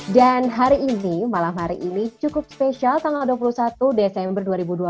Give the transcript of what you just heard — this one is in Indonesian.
dan hari ini malam hari ini cukup spesial tanggal dua puluh satu desember dua ribu dua puluh